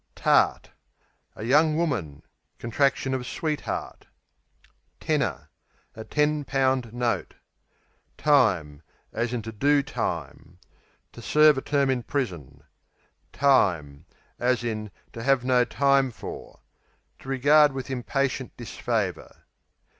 Tart A young woman (contraction of sweetheart). Tenner A ten pound note. Time, to do To serve a term in prison. Time, to have no time for To regard with impatient disfavour.